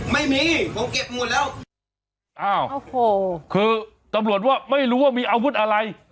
ไม่มีผมเก็บหมดแล้วอ้าวโอ้โหคือตำรวจว่าไม่รู้ว่ามีอาวุธอะไร